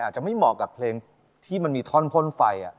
อาจจะไม่เหมาะกับเพลงที่มันมีท่อนพ่นไฟ